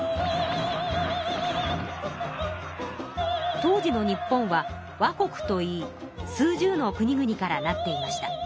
当時の日本は倭国といい数十のくにぐにから成っていました。